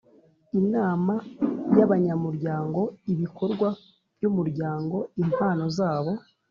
Inama Y abanyamuryango ibikorwa by umuryango impano zabo